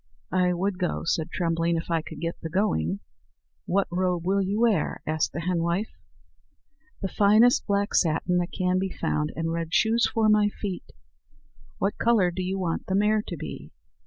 "I would go," said Trembling, "if I could get the going." "What robe will you wear?" asked the henwife. "The finest black satin that can be found, and red shoes for my feet." "What colour do you want the mare to be?"